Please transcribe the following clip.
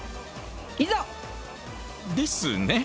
いざ！ですね。